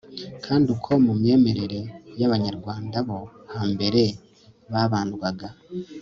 kandi uko mu myemerere y'abanyarwanda bo hambere babandwaga